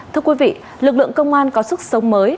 thưa quý vị lực lượng công an có sức sống mới